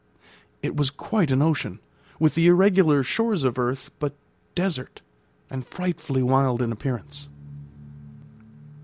It was quite an ocean, with the irregular shores of earth, but desert and frightfully wild in appearance.